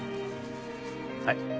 はい。